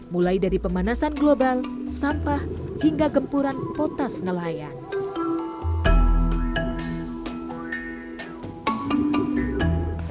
mulai dari pemanasan global sampah hingga gempuran potas nelayan